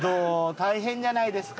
大変じゃないですか？